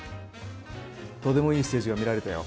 とてもいいステージが見られたよ。